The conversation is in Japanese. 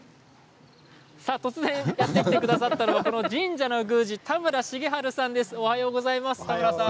突然やって来てくださったのは神社の宮司、田村繁晴さんです。